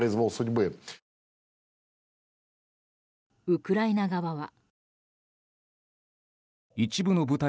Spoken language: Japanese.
ウクライナ側は。